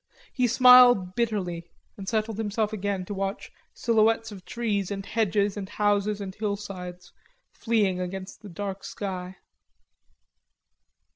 He smiled bitterly and settled himself again to watch silhouettes of trees and hedges and houses and hillsides fleeing against the dark sky.